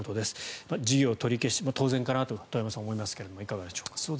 事業取り消しは当然かなと思いますけれどいかがでしょうか？